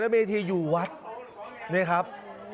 เมธีอยู่วัดนี่ครับ